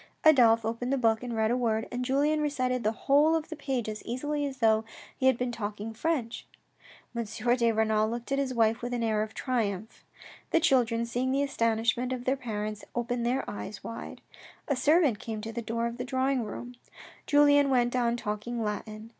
Adolphe opened the book and read a word, and Julien recited the whole of the page as easily as though he had been talking French. M. de Renal looked at his wife with an air of triumph The children, seeing the astonishment of their parents, opened their eyes wide. A servant came to the door of the drawing room; Julien went on talking Latin.